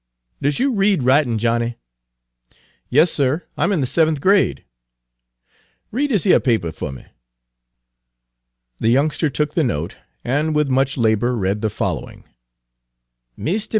"Does you read writin', Johnnie?" "Yes, sir, I'm in the seventh grade." "Read dis yer paper fuh me." The youngster took the note, and with much labor read the following: "MR.